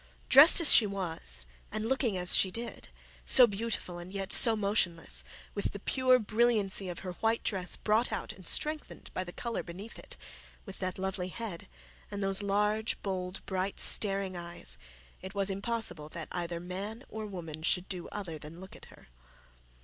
Dressed as she was and looking as she did, so beautiful and yet so motionless, with the pure brilliancy of her white dress brought out and strengthened by the colour beneath it, with that lovely head, and those large bold bright staring eyes, it was impossible that either man or woman should do other than look at her.